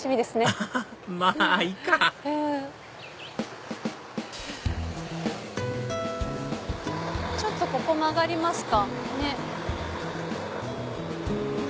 アハハまぁいいかちょっとここ曲がりますか。